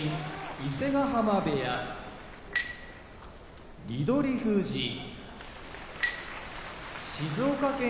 伊勢ヶ濱部屋翠富士静岡県出身